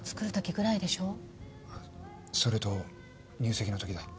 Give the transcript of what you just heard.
それと入籍のときだ。